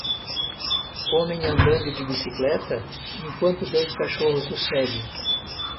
Um homem andando de bicicleta? enquanto dois cachorros o seguem.